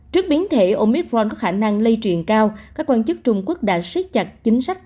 trước biến thể omitvron có khả năng lây truyền cao các quan chức trung quốc đã siết chặt chính sách